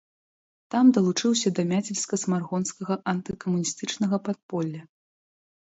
Там далучыўся да мядзельска-смаргонскага антыкамуністычнага падполля.